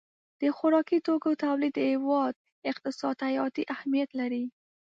د خوراکي توکو تولید د هېواد اقتصاد ته حیاتي اهمیت لري.